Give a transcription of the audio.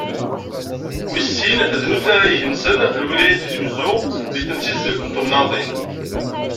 Wis sin, d nutni ara igensen lwilaya n Tizi Uzzu deg temsizzelt n temnaḍin.